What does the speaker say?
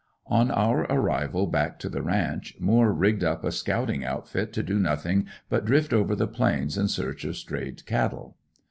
On our arrival back to the ranch, Moore rigged up a scouting outfit to do nothing but drift over the Plains in search of strayed cattle.